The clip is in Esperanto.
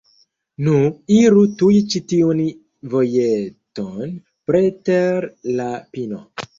Nu, iru tuj ĉi tiun vojeton, preter la pino.